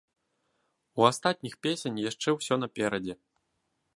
У астатніх песень яшчэ ўсё наперадзе.